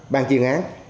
ban chuyên án